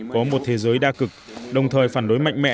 có một thế giới đa cực đồng thời phản đối mạnh mẽ